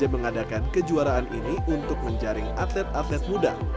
mengadakan kejuaraan ini untuk menjaring atlet atlet muda